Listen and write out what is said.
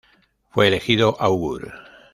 Fue elegido augur.